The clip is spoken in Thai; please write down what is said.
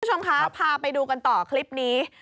คุณผู้ชมคะพาไปดูกันต่อคลิปนี้